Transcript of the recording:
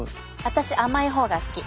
私甘い方が好き。